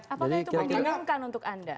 apakah itu mencanangkan untuk anda